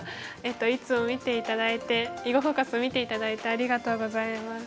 いつも見て頂いて「囲碁フォーカス」を見て頂いてありがとうございます。